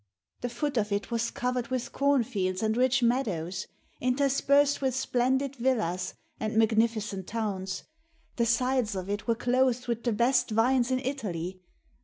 The foot of it was covered with cornfields and rich meadows, interspersed with splendid villas and magnificent towns; the sides of it were clothed with the best vines in Italy.